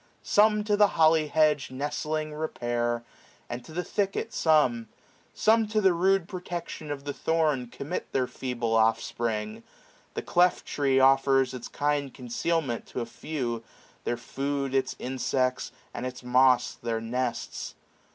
Some to the holly hedge Nestling repair^ and to the thicket some ; Some to the rude protection of the thorn 635 Commit their feeble oflFspring : The cleft tree Offers its kind concealment to a few ; Their food its insects, and its moss their nests.